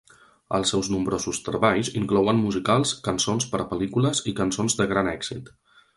Els seus nombrosos treballs inclouen musicals, cançons per a pel·lícules i cançons de gran èxit.